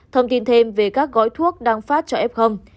thông tin thêm về các gói thuốc đang phát cho f